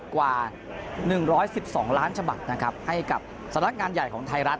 กว่า๑๑๒ล้านฉบับนะครับให้กับสำนักงานใหญ่ของไทยรัฐ